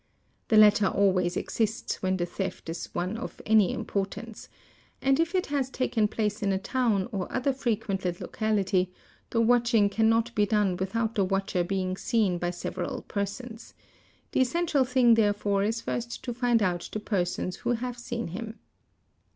The latter always exists when the theft is one of any importance; and if it has taken place in a town or other frequented locality, the watching cannot be done without the watcher being seen by several persons; the essential thing therefore is first to find out the persons who have seen him.